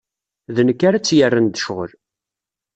D nekk ara tt-yerren d ccɣel.